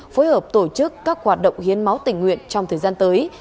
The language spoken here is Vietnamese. phối hợp tổ chức các hoạt động hiến máu tình nguyện trong thời gian tới